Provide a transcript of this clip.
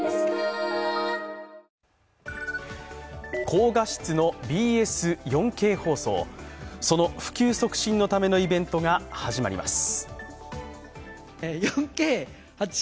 高画質のＢＳ４Ｋ放送、その普及促進のためのイベントが始まります。